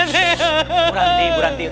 bu ranti bu ranti